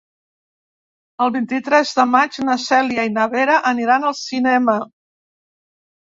El vint-i-tres de maig na Cèlia i na Vera aniran al cinema.